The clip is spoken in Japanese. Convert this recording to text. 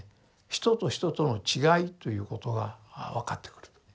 人と人との違いということが分かってくると。